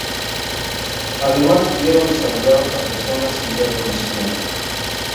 Además, vieron y saludaron a personas que ya conocían.